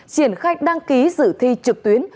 triển khách đăng ký dự thi trực tuyến